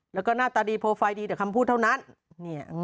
แล้วก็หน้าตาดีโปรไฟล์ดีเดี๋ยวคำพูดเท่านั้น